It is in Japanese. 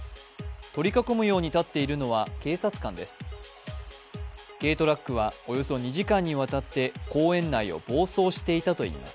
取り囲むように立っているのは警察官です。